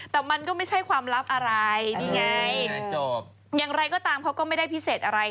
แต่มันก็ไม่ใช่ความลับอะไรนี่ไงก็ตามเขาก็ไม่ได้พิเศษอะไร